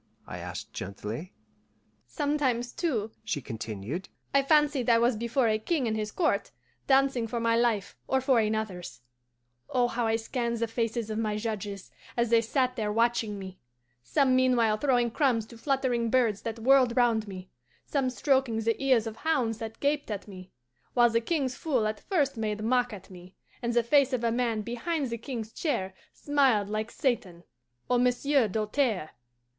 I asked gently. "Sometimes, too," she continued, "I fancied I was before a king and his court, dancing for my life or for another's. Oh, how I scanned the faces of my judges, as they sat there watching me; some meanwhile throwing crumbs to fluttering birds that whirled round me, some stroking the ears of hounds that gaped at me, while the king's fool at first made mock at me, and the face of a man behind the king's chair smiled like Satan or Monsieur Doltaire!